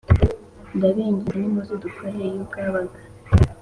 Ndabinginze nimuze dukore iyo bwabaga